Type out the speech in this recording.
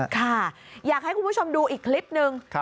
ค่ะอยากให้คุณผู้ชมดูอีกคลิปนึง